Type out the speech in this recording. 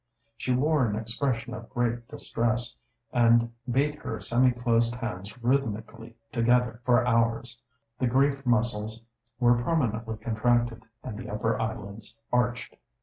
She wore an expression of great distress, and beat her semi closed hands rhythmically together for hours. The grief muscles were permanently contracted, and the upper eyelids arched.